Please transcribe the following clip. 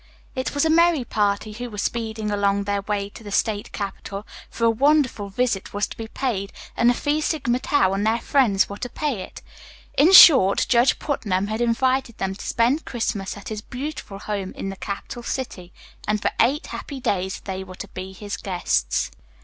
It was a merry party who were speeding along their way to the state capital, for a wonderful visit was to be paid and the Phi Sigma Tau and their friends were to pay it. In short, Judge Putnam had invited them to spend Christmas at his beautiful home in the capital city, and for eight happy days they were to be his guests.